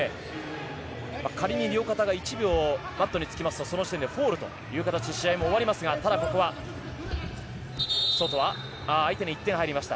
仮に両肩が１秒マットにつきますとその時点でフォールという形で試合も終わりますが、ただここは相手に１点入りました。